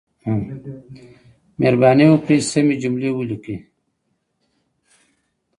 مهرباني وکړئ سمې جملې ولیکئ.